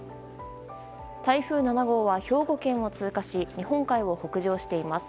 台風７号は兵庫県を通過し日本海を北上しています。